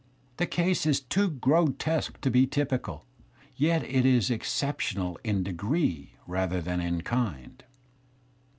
The case is too grotesque to be typical, I yet it is exceptional in degree rather than in kind.